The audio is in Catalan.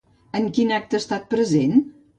En quin acte ha estat present?